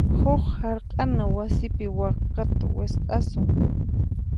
Huk hark'ana wasipi wakata wisq'asun.